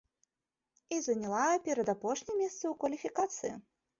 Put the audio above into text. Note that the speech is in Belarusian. І заняла перадапошняе месца ў кваліфікацыі.